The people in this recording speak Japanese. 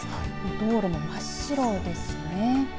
道路も真っ白ですね。